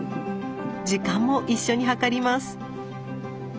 時間も一緒に計ります。